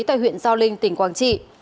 tại huyện giao linh tỉnh quảng trị